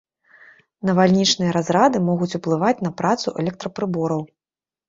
Навальнічныя разрады могуць уплываць на працу электрапрыбораў.